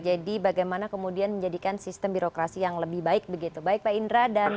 jadi bagaimana kemudian menjadikan sistem birokrasi yang lebih baik begitu baik pak indra dan